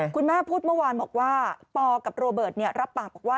คุณแม่พูดเมื่อวานบอกว่าปอกับโรเบิร์ตรับปากบอกว่า